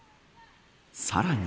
さらに。